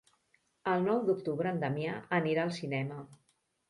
El nou d'octubre en Damià anirà al cinema.